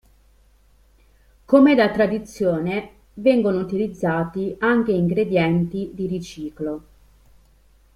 Come da tradizione, vengono utilizzati anche ingredienti "di riciclo".